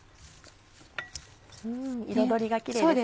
彩りがキレイですね。